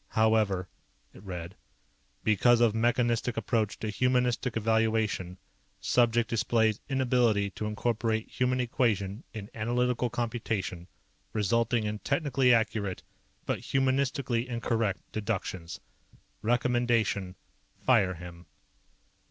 "However," it read, "_because of mechanistic approach to humanistic evaluation, subject displays inability to incorporate human equation in analytical computation, resulting in technically accurate but humanistically incorrect deductions._ "_Recommendation: Fire him.